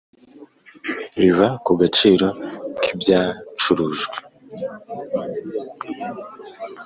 riva ku gaciro ki byacurujwe;